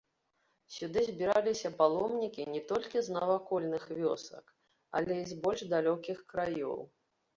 Сюды збіраліся паломнікі не толькі з навакольных вёсак, але і з больш далёкіх краёў.